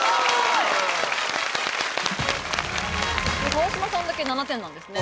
川島さんだけ７点なんですね